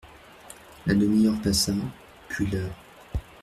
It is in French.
La demi-heure passa, puis l'heure.